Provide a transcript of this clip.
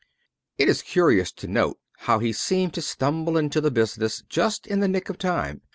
It is curious to note how he seemed to stumble into the business just in the nick of time.